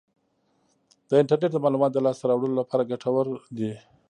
د انټرنیټ د معلوماتو د لاسته راوړلو لپاره ګټور دی.